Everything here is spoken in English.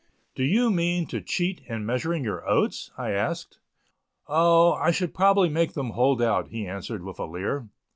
"Do you mean to cheat in measuring your oats?" I asked. "O, I should probably make them hold out," he answered, with a leer.